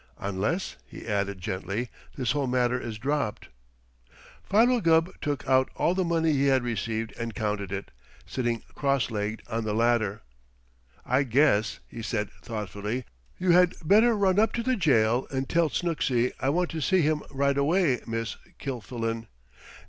"Unless," he added gently, "this whole matter is dropped." Philo Gubb took out all the money he had received and counted it, sitting cross legged on the ladder. "I guess," he said thoughtfully, "you had better run up to the jail and tell Snooksy I want to see him right away, Miss Kilfillan.